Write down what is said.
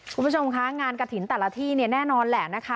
คุณผู้ชมคะงานกระถิ่นแต่ละที่เนี่ยแน่นอนแหละนะคะ